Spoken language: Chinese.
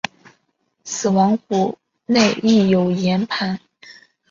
死亡谷内亦有盐磐。